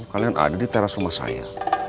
kalian ada di teras rumah saya